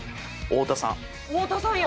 太田さんや！